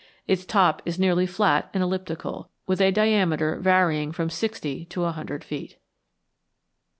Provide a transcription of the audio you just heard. Its top is nearly flat and elliptical, with a diameter varying from sixty to a hundred feet.